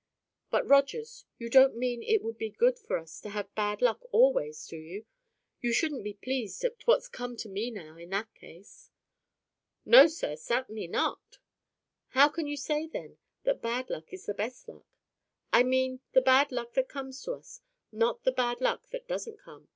"But, Rogers, you don't mean it would be good for us to have bad luck always, do you? You shouldn't be pleased at what's come to me now, in that case." "No, sir, sartinly not." "How can you say, then, that bad luck is the best luck?" "I mean the bad luck that comes to us—not the bad luck that doesn't come.